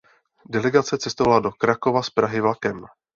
Delegace cestovala do Krakova z Prahy vlakem.